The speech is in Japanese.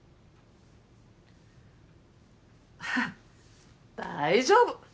ハハ大丈夫！